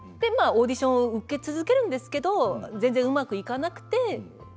オーディションを受け続けるんですけど、うまくいかなくて。